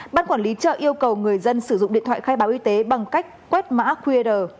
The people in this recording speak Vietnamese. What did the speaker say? ban quản lý chợ yêu cầu người dân sử dụng điện thoại khai báo y tế bằng cách quét mã qr